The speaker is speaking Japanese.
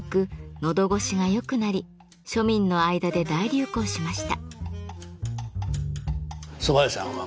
のどごしが良くなり庶民の間で大流行しました。